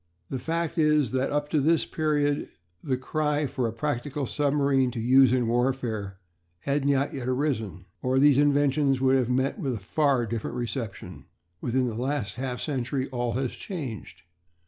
The fact is that up to this period the cry for a practical submarine to use in warfare had not yet arisen, or these inventions would have met with a far different reception. Within the last half century all has changed.